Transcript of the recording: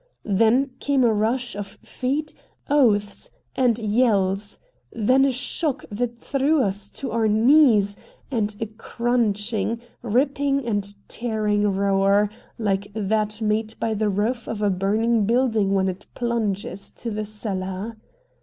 Then came a rush of feet, oaths, and yells; then a shock that threw us to our knees, and a crunching, ripping, and tearing roar like that made by the roof of a burning building when it plunges to the cellar.